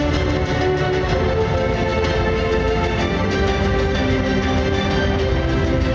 เบอร์อะไรคะคุณบอกไว้เลยค่ะ